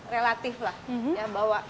relatif lah bahwa